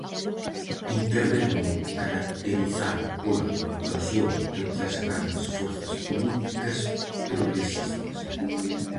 Interregno caracterizado pola colaboración entre as grandes forzas políticas progresistas.